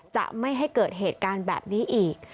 จะไม่ให้เกิดเหตุการณ์แบบนี้อีก